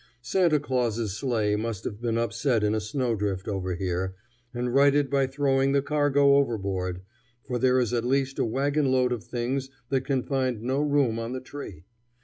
Santa Claus's sleigh must have been upset in a snow drift over here, and righted by throwing the cargo overboard, for there is at least a wagon load of things that can find no room on the tree.